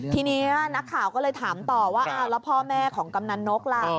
ทีนี้นักข่าวก็เลยถามต่อว่าอ้าวแล้วพ่อแม่ของกำนันนกล่ะ